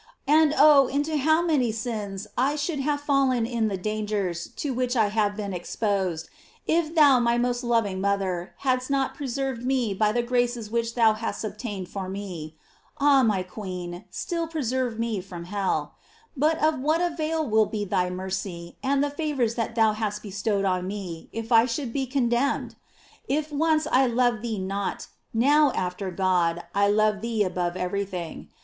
And oh, into how many sins I should have fallen in the dangers to which I r ve been exposed, if thou, my most loving mother, hadst not preserved me by the graces which thou hast obtained for me ! Ah, my queen, still preserve me from hell. But of 768 GLORIES OF MARY. what avail will be thy mercy and the favora that thou hast bestowed on me, if I should be condemned ? If once I loved thee not, now, after God, I love thee above everything.